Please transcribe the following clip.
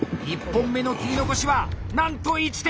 １本目の切り残しはなんと１．２ｍｍ！